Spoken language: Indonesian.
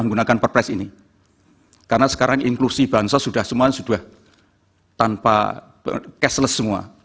menggunakan perpres ini karena sekarang inklusi bansos sudah semua sudah tanpa cashless semua